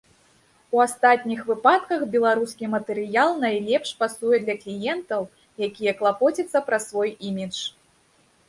У астатніх выпадках беларускі матэрыял найлепш пасуе для кліентаў, якія клапоцяцца пра свой імідж.